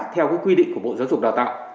theo quy định của bộ giáo dục đào tạo